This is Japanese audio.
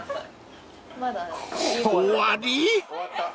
［終わり？］